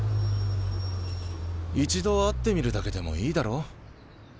一度会ってみるだけでもいいだろう。